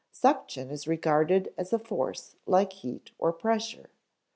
Suction is regarded as a force like heat or pressure.